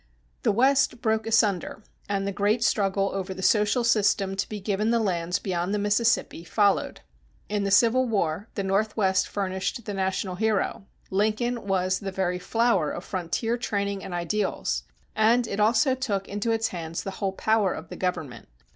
The West broke asunder, and the great struggle over the social system to be given to the lands beyond the Mississippi followed. In the Civil War the Northwest furnished the national hero, Lincoln was the very flower of frontier training and ideals, and it also took into its hands the whole power of the government.